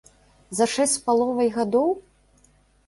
За шэсць з паловай гадоў?